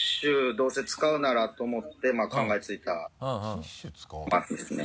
どうせ使うならと思って考えついたパフォーマンスですね